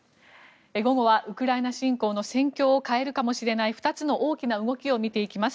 午後はウクライナ侵攻の戦況を変えるかもしれない２つの大きな動きを見ていきます。